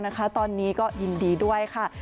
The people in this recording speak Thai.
ตอนนี้ก็ยินดีด้วยค่ะ